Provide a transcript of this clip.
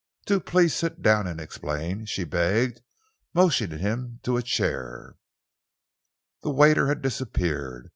Do please sit down and explain," she begged, motioning him to a chair. The waiter had disappeared.